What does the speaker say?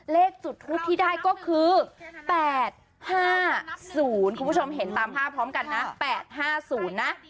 เลขจุดทูปที่ได้ก็คือ๘๕๐คุณผู้ชมเห็นตามภาพพร้อมกันนะ๘๕๐นะ